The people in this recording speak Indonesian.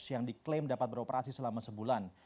yang diklaim dapat beroperasi selama sebulan